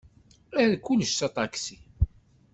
Err kullec s aṭaksi.